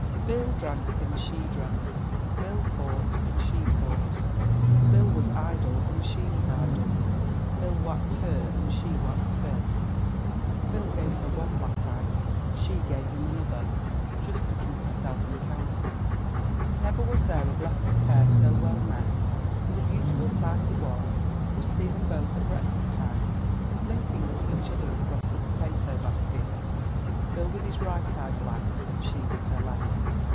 Bill drank and she drank; Bill fought and she fought; Bill was idle and she was idle; Bill whacked her and she whacked Bill. If Bill gave her one black eye, she gave him another; just to keep herself in countenance. Never was there a blessed pair so well met; and a beautiful sight it was to see them both at breakfast time, blinking at each other across the potato basket, Bill with his right eye black, and she with her left.